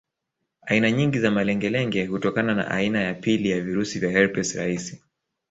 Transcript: Aina nyingi za malengelenge hutokana na aina ya pili ya virusi vya herpes rahisi